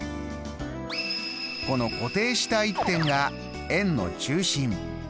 この固定した１点が円の中心。